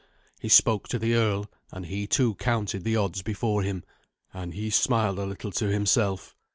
He spoke to the earl, and he too counted the odds before him, and he smiled a little to himself.